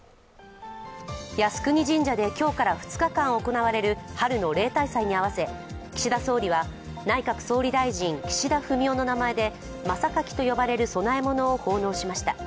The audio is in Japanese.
靖国神社で今日から２日間行われる春の例大祭に合わせ岸田総理は内閣総理大臣・岸田文雄の名前で真榊と呼ばれる供え物を奉納しました。